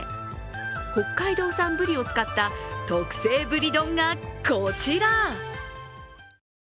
北海道産ブリを使った、特製ブリ丼がこちら。